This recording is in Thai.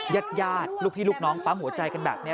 ญาติลูกพี่ลูกน้องปั๊มหัวใจกันแบบนี้